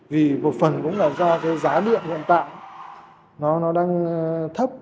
vì một phần cũng là do cái giá điện hiện tại nó đang thấp